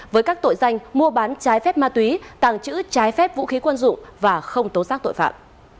với các tội danh mua bán trái phép ma túy tàng trữ trái phép vũ khí quân dụng và không tố xác tội phạm